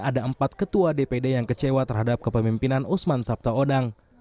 ada empat ketua dpd yang kecewa terhadap kepemimpinan usman sabtaodang